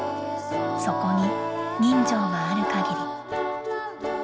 そこに人情があるかぎり。